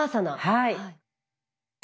はい。